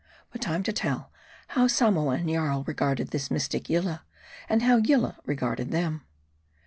BUT time to tell, how Samoa and Jarl regarded this mystical Yillah ; and how Yillah regarded them.